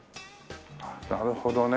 なるほどね。